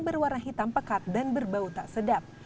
berwarna hitam pekat dan berbau tak sedap